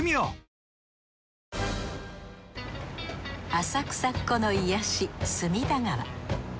浅草っ子の癒やし隅田川。